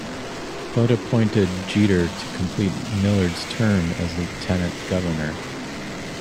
Budd appointed Jeter to complete Millard's term as Lieutenant Governor.